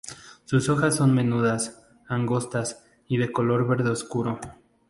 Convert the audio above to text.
Sus hojas son menudas, angostas y de color verde oscuro.